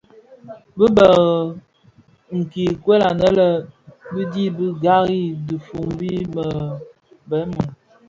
Bi bë nkikuel, anë a dhi bi ghali dhifombi di bëmun.